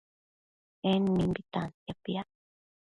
En mimbi tantia piac